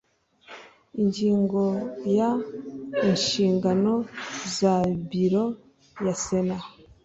ingingo ya inshingano za biro ya sena